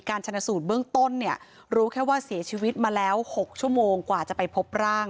ชนะสูตรเบื้องต้นเนี่ยรู้แค่ว่าเสียชีวิตมาแล้ว๖ชั่วโมงกว่าจะไปพบร่าง